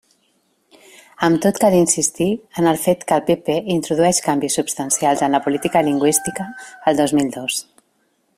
Amb tot, cal insistir en el fet que el PP introdueix canvis substancials en la política lingüística el dos mil dos.